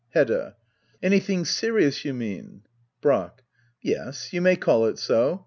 Hedda. Anything serious, you mean ? Brack. Yes, you may call it so.